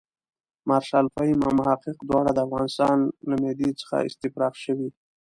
مارشال فهیم او محقق دواړه د افغانستان له معدې څخه استفراق شوي.